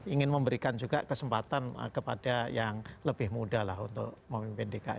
ingin memberikan juga kesempatan kepada yang lebih muda lah untuk memimpin dki